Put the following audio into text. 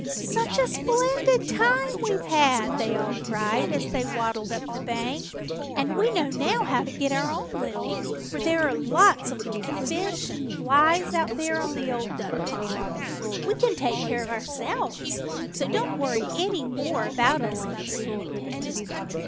"Such a splendid time we've had," they all cried as they waddled up the bank. "And we know now how to get our own living, for there are lots of little fish and flies out there on the Old Duck Pond. We can take care of ourselves, so don't worry any more about us, Mother Henny Penny."